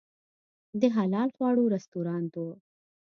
د حلال خواړو رستورانت و.